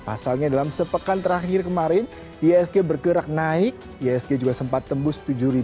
pasalnya dalam sepekan terakhir kemarin iasg bergerak naik iasg juga sempat tembus tujuh seratus